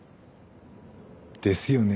ですよね。